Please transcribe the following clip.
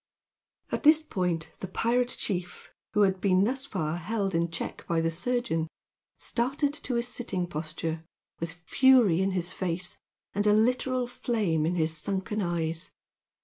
At this point the pirate chief, who had been thus far held in check by the surgeon, started to a sitting posture, with fury in his face and a literal flame in his sunken eyes.